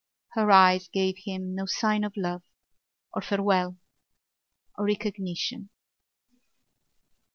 Her eyes gave him no sign of love or farewell or recognition.